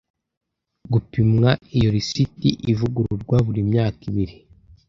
gupimwa Iyo lisiti ivugururwa buri myaka ibiri